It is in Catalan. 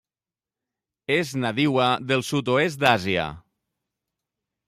És nadiua del sud-oest d'Àsia.